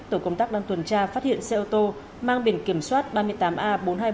tổ công tác đang tuần tra phát hiện xe ô tô mang biển kiểm soát ba mươi tám a bốn mươi hai nghìn bốn trăm sáu mươi sáu